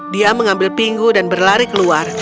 dia mengambil pingu dan berlari keluar